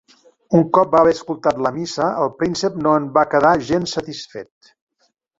Un cop va haver escoltat la Missa, el príncep no en va quedar gens satisfet.